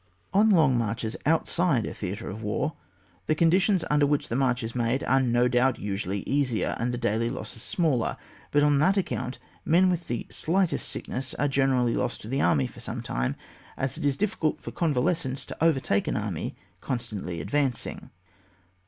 On long marches outside a theatre of war, the conditions under which the march is made are no doubt usually easier, and the daily losses smaller, but on that account men with the slightest sickness are generally lost to the army for some time, as it is difficult for convalescents to overtake an army con stantly advancing.